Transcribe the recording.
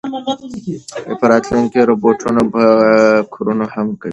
په راتلونکي کې روبوټونه به کورونه هم پاکوي.